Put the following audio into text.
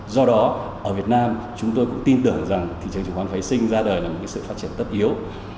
do đó ở việt nam chúng tôi cũng tin tưởng rằng thị trường chứng khoán phái sinh ra đời là một sự phát triển tất yếu